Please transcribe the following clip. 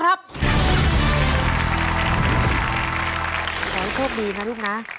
ขอให้โชคดีนะลูกนะ